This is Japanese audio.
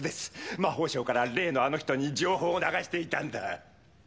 魔法省から例のあの人に情報を流していたんだ